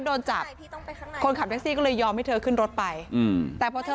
โดนจับคนขับแท็กซี่ก็เลยยอมให้เธอขึ้นรถไปอืมแต่พอเธอ